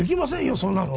そんなの。